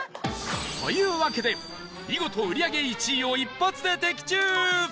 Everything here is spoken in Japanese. というわけで見事売り上げ１位を一発で的中！